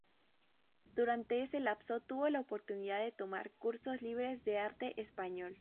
Durante ese lapso tuvo la oportunidad de tomar cursos libres de arte español.